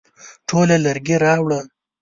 ټوله لرګي راوړه ؟